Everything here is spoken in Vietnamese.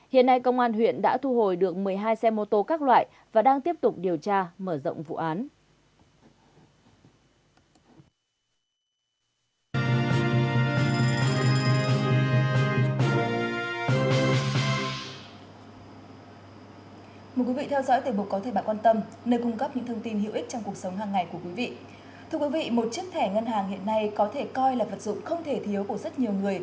hiện nay công an huyện đã thu hồi được một mươi hai xe mô tô các loại và đang tiếp tục điều tra mở rộng vụ án